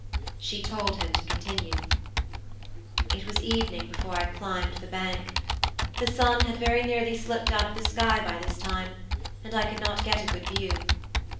She told him to continue. 'It was evening before I climbed the bank. The sun had very nearly slipped out of the sky by this time, and I could not get a good view.